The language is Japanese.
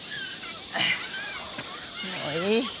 もういい。